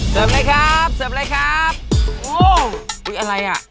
เลยครับเสิร์ฟเลยครับโอ้อุ้ยอะไรอ่ะ